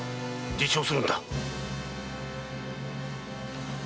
自重するんだ！